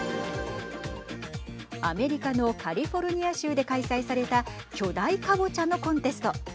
アメリカのカリフォルニア州で開催された巨大かぼちゃのコンテスト。